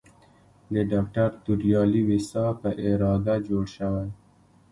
د ډاکټر توریالي ویسا په اراده جوړ شوی.